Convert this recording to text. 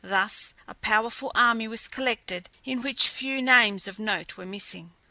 Thus a powerful army was collected in which few names of note were missing.